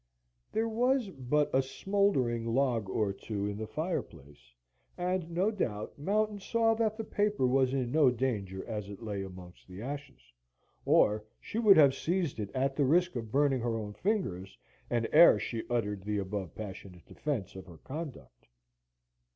There was but a smouldering log or two in the fireplace, and no doubt Mountain saw that the paper was in no danger as it lay amongst the ashes, or she would have seized it at the risk of burning her own fingers, and ere she uttered the above passionate defence of her conduct.